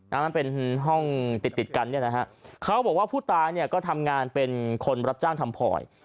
มันเป็นห้องติดติดกันเนี่ยนะฮะเขาบอกว่าผู้ตายเนี่ยก็ทำงานเป็นคนรับจ้างทำพลอย